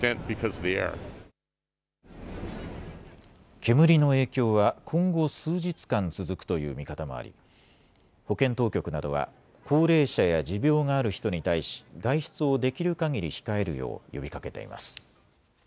煙の影響は今後、数日間続くという見方もあり保健当局などは高齢者や持病がある人に対し外出をできるかぎり控えるよう呼びかけています。